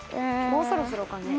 もうそろそろかね？